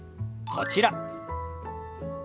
こちら。